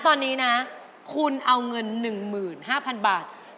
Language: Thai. ตอนนี้นะคุณเอาเงิน๑๕๐๐๐บาท